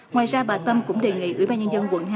ngoài ra bà tâm cũng đề nghị ủy ban nhân dân quận hai